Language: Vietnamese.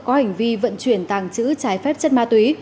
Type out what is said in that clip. có hành vi vận chuyển tàng trữ trái phép chất ma túy